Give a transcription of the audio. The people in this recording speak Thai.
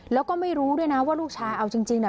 แล้วก็ไม่รู้ด้วยนะว่าลูกชายเอาจริงน่ะ